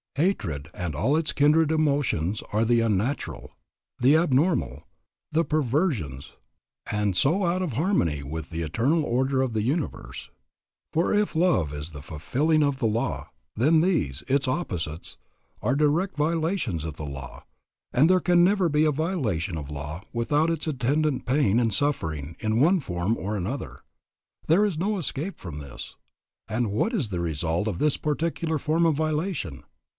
Hatred and all its kindred emotions are the unnatural, the abnormal, the perversions, and so, out of harmony with the eternal order of the universe. For if love is the fulfilling of the law, then these, its opposites, are direct violations of law, and there can never be a violation of law without its attendant pain and suffering in one form or another. There is no escape from this. And what is the result of this particular form of violation?